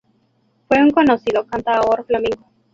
Fue un conocido cantaor flamenco.